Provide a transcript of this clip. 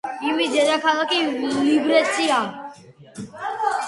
მისი დედაქალაქია ლიბერეცი.